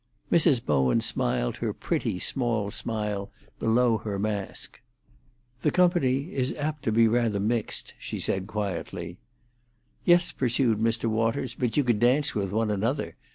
Mrs. Bowen smiled her pretty, small smile below her mask. "The company is apt to be rather mixed," she said quietly. "Yes," pursued Mr. Waters; "but you could dance with one another.